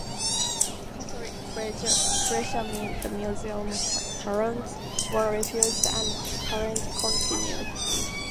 Catholic pressure meant the Muslim terms were refused and the carnage continued.